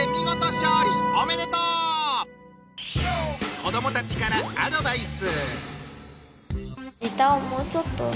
子どもたちからアドバイス。